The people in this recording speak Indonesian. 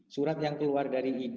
surat yang keluar dari idi